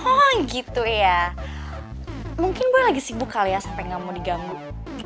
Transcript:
oh gitu ya mungkin gue lagi sibuk kali ya sampai gak mau diganggu